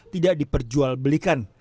tidak diperjual belikan